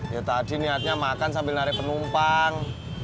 ya tadi niatnya makan sambil narik penumpang